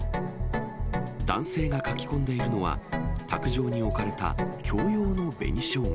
男性がかき込んでいるのは、卓上に置かれた共用の紅しょうが。